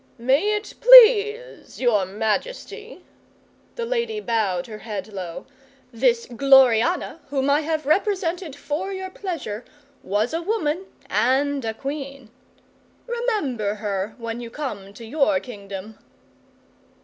'May it please your Majesty' the lady bowed her head low 'this Gloriana whom I have represented for your pleasure was a woman and a Queen. Remember her when you come to your Kingdom.